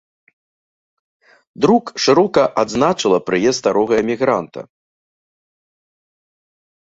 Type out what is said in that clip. Друк шырока адзначыла прыезд старога эмігранта.